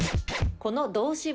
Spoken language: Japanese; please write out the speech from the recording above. この動詞は？